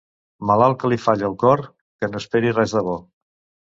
Malalt que li falla el cor, que no esperi res de bo.